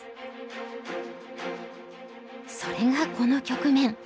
それがこの局面。